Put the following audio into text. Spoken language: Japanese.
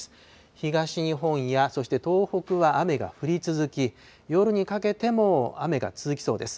東日本や、そして東北は雨が降り続き、夜にかけても雨が続きそうです。